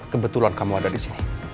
kebetulan kamu ada disini